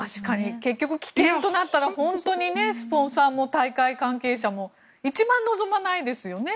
結局棄権となったらスポンサーも大会関係者も一番望まないですよね。